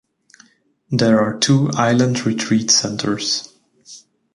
There are two island retreat centres.